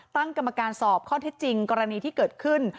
ตั้งกรรมการสอบข้อเท็จจริงกรณีที่เกิดขึ้น